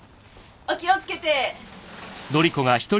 お気をつけて！